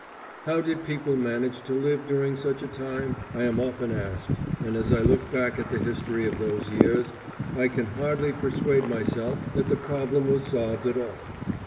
How did people manage to live during such a time? I am often asked; and as I look back at the history of those years, I can hardly persuade myself that the problem was solved at all.